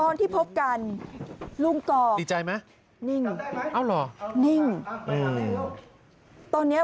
นั่งเฉยนั่งเฉย